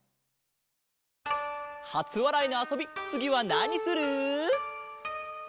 はつわらいのあそびつぎはなにする？